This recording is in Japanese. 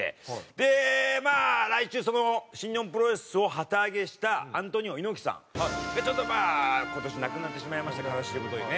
でまあ来週その新日本プロレスを旗揚げしたアントニオ猪木さん。がちょっとまあ今年亡くなってしまいました悲しい事にね。